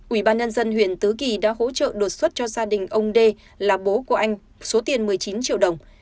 ủy ban nhân dân huyện tứ kỳ đã hỗ trợ đột xuất cho gia đình ông đê là bố của anh số tiền một mươi chín triệu đồng